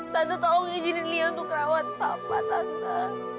tante tolong izinin liya untuk rawat papa tante